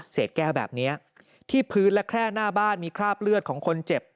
แก้วแบบนี้ที่พื้นและแค่หน้าบ้านมีคราบเลือดของคนเจ็บ